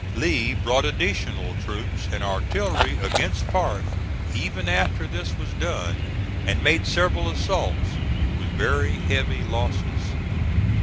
Lee brought additional troops and artillery against Parke even after this was done, and made several assaults with very heavy losses.